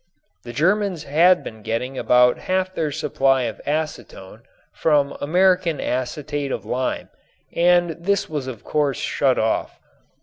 The Germans had been getting about half their supply of acetone from American acetate of lime and this was of course shut off.